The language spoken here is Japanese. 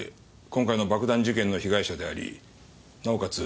今回の爆弾事件の被害者でありなおかつ